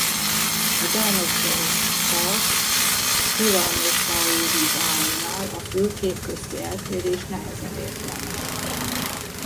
A Dinosaur Park tyrannosauridáinál a fülkék közti eltérés nehezen értelmezhető.